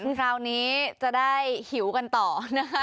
คราวนี้จะได้หิวกันต่อนะคะ